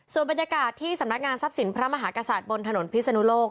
ส่วนบรรยากาศที่สำนักงานทรัพย์สินพระมหากษัตริย์บนถนนพิศนุโลก